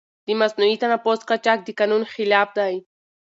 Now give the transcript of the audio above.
د مصنوعي تنفس قاچاق د قانون خلاف دی.